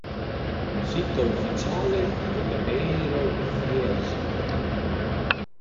Sito ufficiale dell'Eirodziesma